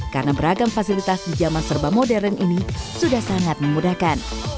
karena beragam fasilitas di jaman serba modern ini sudah sangat memudahkan